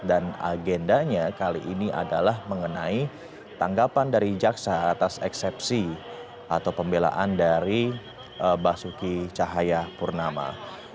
dan agendanya kali ini adalah mengenai tanggapan dari jaksa atas eksepsi atau pembelaan dari basuki cahaya purwokal